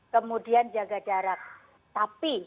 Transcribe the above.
kemudian jaga jarak tapi